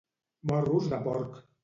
Morros de porc.